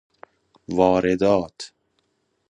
واردات